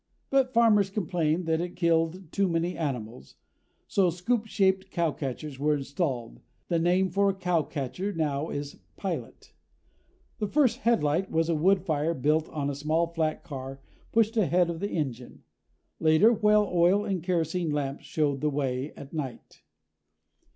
But farmers complained that it killed too many animals, so scoop shaped cowcatchers were installed. The name for a cowcatcher now is pilot. The first headlight was a wood fire built on a small flat car pushed ahead of the engine. Later, whale oil and kerosene lamps showed the way at night.